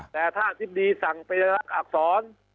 แต่ถ้าอาทิตย์ดีสั่งไปรักอักษร